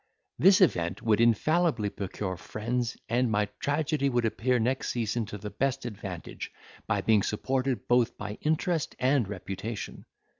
This event would infallibly procure friends, and my tragedy would appear next season to the best advantage, by being supported both by interest and reputation.